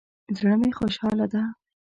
زړه می خوشحاله ده